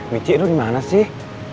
wih cik lu dimana sih